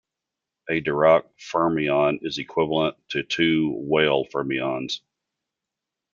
A Dirac fermion is equivalent to two Weyl fermions.